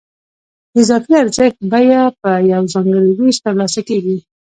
د اضافي ارزښت بیه په یو ځانګړي وېش ترلاسه کېږي